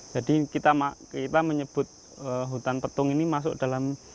jadi kita menyebut hutan petung ini masuk dalam